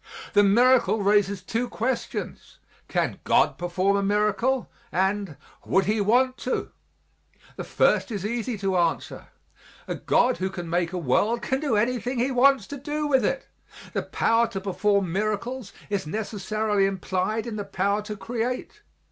The miracle raises two questions: "Can God perform a miracle?" and, "Would He want to?" The first is easy to answer. A God who can make a world can do anything He wants to do with it. The power to perform miracles is necessarily implied in the power to create.